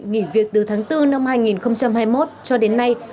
nghỉ việc từ tháng bốn năm hai nghìn hai mươi một cho đến nay